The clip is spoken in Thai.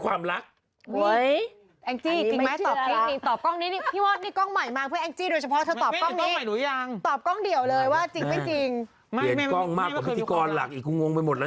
กะไม่ถามดีถามดีถามดี